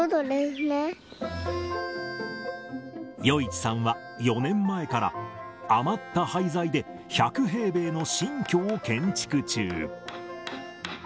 余一さんは４年前から、余った廃材で、１００平米の新居を建築中。